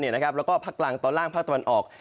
และพักล่างด้านล่างพักตะวันออก